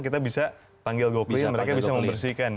kita bisa panggil go clean mereka bisa membersihkan